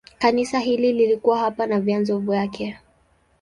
Kanisa hili lilikuwa hapa na vyanzo vyake.